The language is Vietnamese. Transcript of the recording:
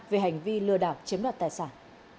về hành vi lừa đảo chiếm đoạt tài sản